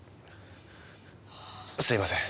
すみません。